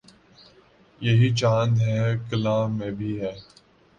یہی چاند ہے کلاں میں بھی ہے